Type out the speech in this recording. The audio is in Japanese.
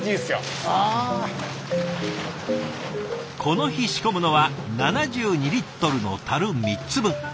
この日仕込むのは７２リットルのたる３つ分。